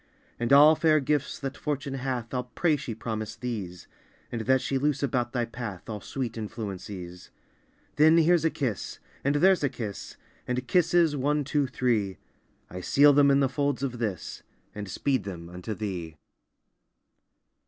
And all fair gifts that Fortune hath, I'll pray she promise these, And that she loose about thy path All sweet influences. Then here's a kiss! and there's a kiss! And kisses, one, two, three! I seal them in the folds of this, And speed them unto thee!